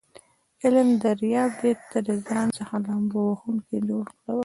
علم دریاب دی ته دځان څخه لامبو وهونکی جوړ کړه س